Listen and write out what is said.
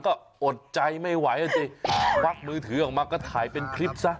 ก็อดใจไม่ไหวอ่ะสิควักมือถือออกมาก็ถ่ายเป็นคลิปซะ